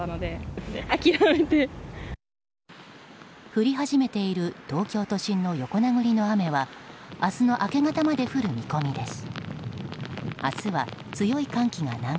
降り始めている東京都心の横殴りの雨は明日の明け方まで降る見込みです。